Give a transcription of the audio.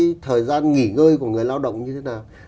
cái thời gian nghỉ ngơi của người lao động như thế nào